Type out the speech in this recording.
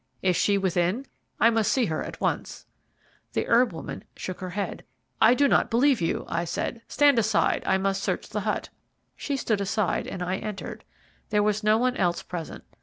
"Is she within? I must see her at once." The herb woman shook her head. "I do not believe you," I said; "stand aside I must search the hut." She stood aside, and I entered. There was no one else present.